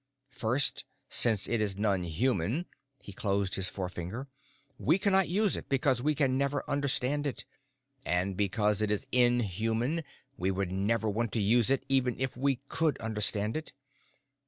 First, since it is non human_," he closed his forefinger, "_we cannot use it because we can never understand it. And because it is inhuman, we would never want to use it even if we could understand it.